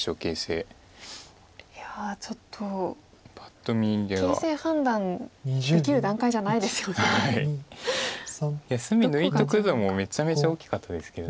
いや隅抜いとくでもめちゃめちゃ大きかったですけど。